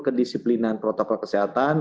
kedisiplinan protokol kesehatan